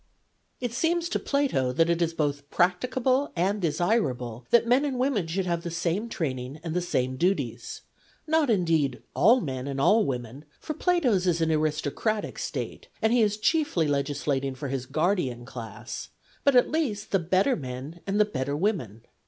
It seems to Plato that it is both practicable and desirable that men and women should have the same training and the same duties ; not, indeed, all men and all women, for Plato's is an aristocratic State and he is chiefly legislating for his guardian class, PLATO 173 but at least the better men and the better women.